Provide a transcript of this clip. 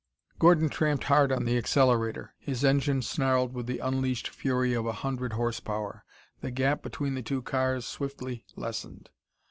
Gordon tramped hard on the accelerator. His engine snarled with the unleashed fury of a hundred horsepower. The gap between the two cars swiftly lessened.